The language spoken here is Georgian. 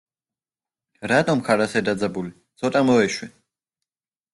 რატომ ხარ ასე დაძაბული, ცოტა მოეშვი.